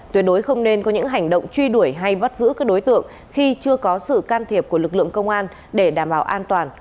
tuyệt đối không nên có những hành động truy đuổi hay bắt giữ các đối tượng khi chưa có sự can thiệp của lực lượng công an để đảm bảo an toàn